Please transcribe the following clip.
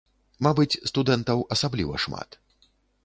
Мабыць, студэнтаў асабліва шмат.